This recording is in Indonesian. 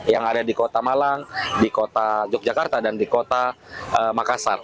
yang ada di kota malang di kota yogyakarta dan di kota makassar